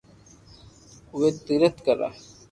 اووي تيرٿ ڪرو